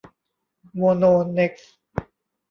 โมโน เน็กซ์